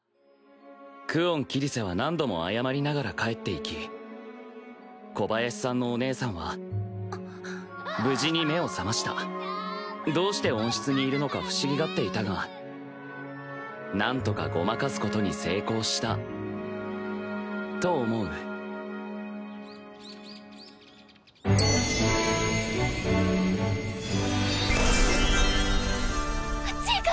久遠桐聖は何度も謝りながら帰っていき小林さんのお姉さんは無事に目を覚ましたどうして温室にいるのか不思議がっていたがなんとかごまかすことに成功したと思うジーク！